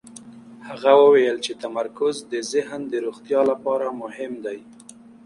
هغه وویل چې تمرکز د ذهن د روغتیا لپاره مهم دی.